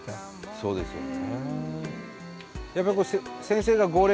そうですね。